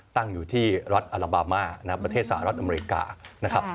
ตั้งอยู่ที่รัฐอาราบามาประเทศสหรัฐอเมริกานะครับ